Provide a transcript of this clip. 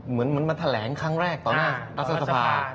เหมือนมาแถลงครั้งแรกต่อหน้ารัฐสภา